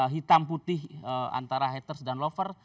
hitam putih antara haters dan lover